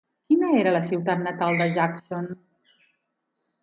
Quina era la ciutat natal de Jackson?